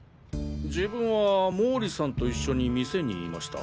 自分は毛利さんと一緒に店にいました。